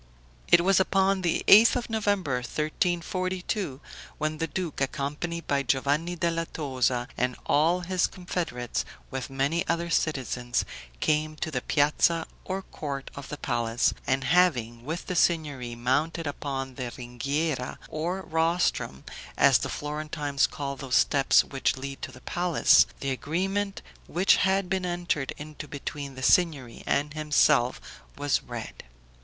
It was upon the 8th of November, 1342, when the duke, accompanied by Giovanni della Tosa and all his confederates, with many other citizens, came to the piazza or court of the palace, and having, with the Signory mounted upon the ringhiera, or rostrum (as the Florentines call those steps which lead to the palace), the agreement which had been entered into between the Signory and himself was read.